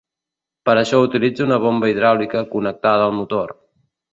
Per a això utilitza una bomba hidràulica connectada al motor.